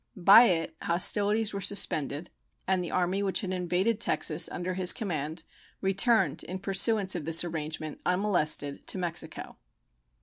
By it hostilities were suspended, and the army which had invaded Texas under his command returned in pursuance of this arrangement unmolested to Mexico.